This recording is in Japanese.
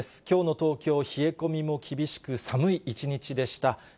きょうの東京、冷え込みも厳しく、寒い一日でした。